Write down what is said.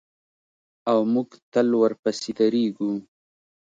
او موږ ټول ورپسې درېږو.